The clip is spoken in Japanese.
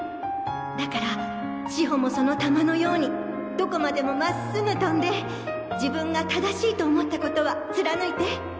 だから志保もその弾のようにどこまでも真っ直ぐ飛んで自分が正しいと思った事は貫いて！